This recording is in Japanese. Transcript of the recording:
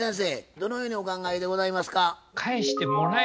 どのようにお考えでございますか？